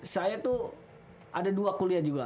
saya tuh ada dua kuliah juga